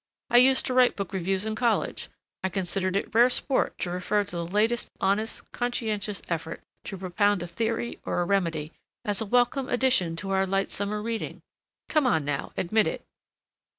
I used to write book reviews in college; I considered it rare sport to refer to the latest honest, conscientious effort to propound a theory or a remedy as a 'welcome addition to our light summer reading.' Come on now, admit it."